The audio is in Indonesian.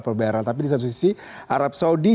per barrel tapi di satu sisi arab saudi